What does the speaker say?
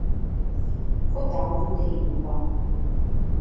Faeddemus de limba.